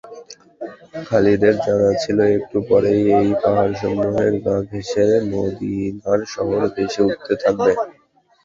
খালিদের জানা ছিল একটু পরেই এই পাহাড়সমূহের গা ঘেঁষে মদীনার শহর ভেসে উঠতে থাকবে।